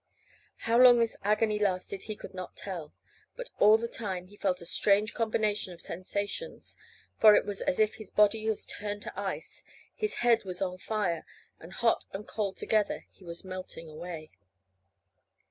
How long this agony lasted he could not tell, but all the time he felt a strange combination of sensations, for it was as if his body was turned to ice, his head was on fire, and hot and cold together he was melting away.